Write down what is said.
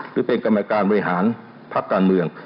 คือเป็นกรรมการบริหารพักการเมือง